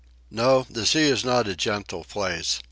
No, the sea is not a gentle place.